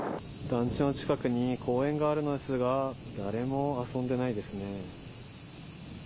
団地の近くに公園があるのですが、誰も遊んでないですね。